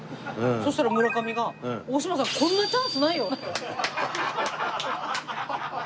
そしたら村上が「大島さんこんなチャンスないよ」って。